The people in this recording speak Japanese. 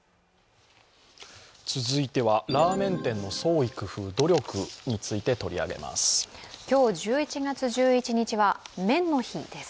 続いては、ラーメン点の創意工夫努力について取り上げます。